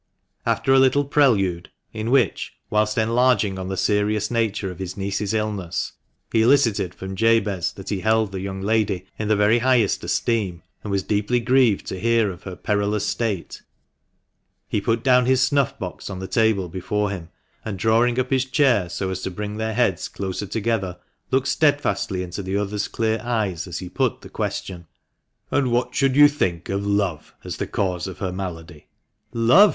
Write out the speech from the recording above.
After a little prelude, in which, whilst enlarging on the serious nature of his niece's illness, he elicited from Jabez that he held the young lady in the very highest esteem, and was deeply grieved to hear of her perilous state, he put down his snuff box on the table before him, and drawing up his chair so as to bring their heads closer together, looked steadfastly into the other's clear eyes as he put the question — THB MANCHESTER MAN. 393 "And what should you think of love as the cause of her malady ?"" LOVE